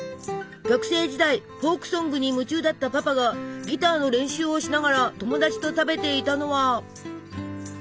学生時代フォークソングに夢中だったパパがギターの練習をしながら友達と食べていたのは。